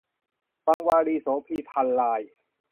วังวารี - โสภี พรรณราย